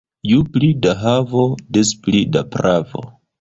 Ju pli da havo, des pli da pravo.